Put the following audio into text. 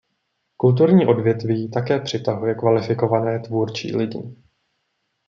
Kulturní odvětví také přitahuje kvalifikované tvůrčí lidi.